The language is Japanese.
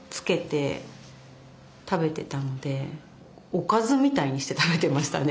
おかずみたいにして食べてましたね。